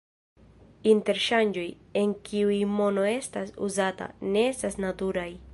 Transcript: Interŝanĝoj, en kiuj mono estas uzata, ne estas naturaj.